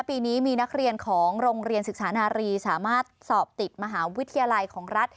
ปีนี้มีนักเรียนของโรงเรียนศึกษานารีสามารถสอบติดมหาวิทยาลัยของรัฐ